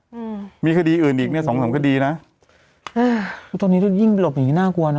อืมมีคดีอื่นอีกเนี้ยสองสามคดีนะอืมตอนนี้เรายิ่งหลบอย่างงี้น่ากลัวนะ